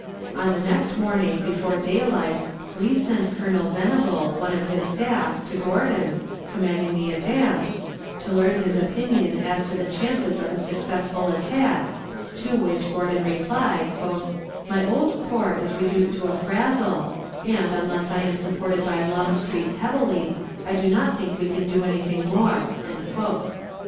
On the next morning, before daylight, Lee sent Colonel Venable, one of his staff, to Gordon, commanding the advance, to learn his opinion as to the chances of a successful attack, to which Gordon replied, "My old corps is reduced to a frazzle, and, unless I am supported by Longstreet heavily, I do not think we can do anything more."